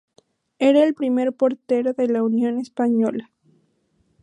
Era el primer portero de la Unión Española.